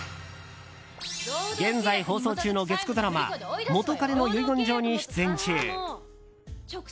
現在放送中の月９ドラマ「元彼の遺言状」に出演中。